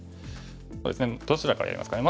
どちらからやりますかね。